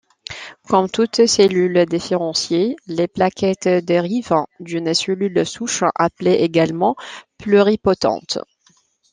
Comme toute cellule différenciée, les plaquettes dérivent d'une cellule souche appelée également pluripotente.